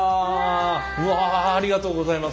わあありがとうございます。